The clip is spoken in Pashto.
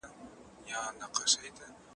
کال په کال خزانېدلای رژېدلای